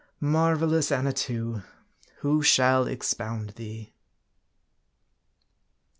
Marvelous Annatoo ! who shall expound thee ?